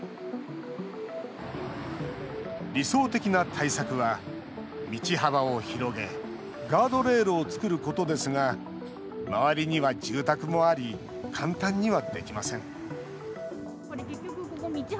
理想的な対策は、道幅を広げ、ガードレールを作ることですが、周りには住宅もあり、簡単にはできません。